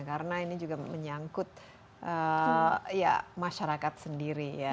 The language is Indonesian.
karena ini juga menyangkut masyarakat sendiri